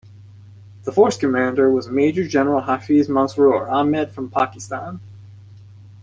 The force commander was Major-General Hafiz Masroor Ahmed from Pakistan.